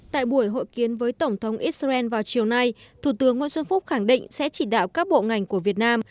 tại buổi hội kiến với tổng thống israel vào chiều nay thủ tướng nguyễn xuân phúc khẳng định sẽ chỉ đạo các bộ ngành của việt nam